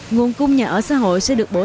nguồn cung nhà ở xã hội sẽ được bổ